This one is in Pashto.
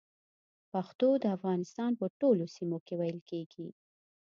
پښتو د افغانستان په ټولو سيمو کې ویل کېږي